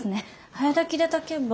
早炊きで炊けば。